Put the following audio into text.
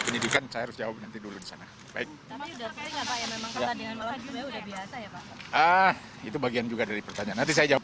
penyidikan saya harus jawab nanti dulu di sana baik itu bagian juga dari pertanyaan nanti saya jawab